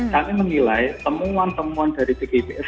kami menilai temuan temuan dari tgps